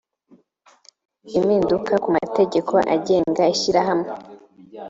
impinduka ku mategeko agenga ishyirahamwe